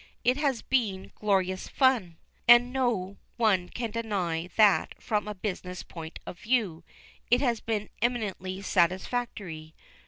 It has been glorious fun, and no one can deny that from a business point of view it has been eminently satisfactory.